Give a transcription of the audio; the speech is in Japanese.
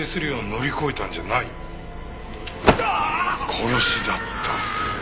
殺しだった。